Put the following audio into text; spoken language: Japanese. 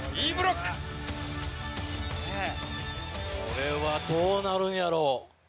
これはどうなるんやろう？